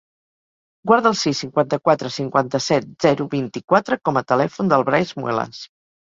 Guarda el sis, cinquanta-quatre, cinquanta-set, zero, vint-i-quatre com a telèfon del Brais Muelas.